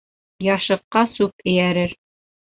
Яшыҡҡа сүп эйәрер.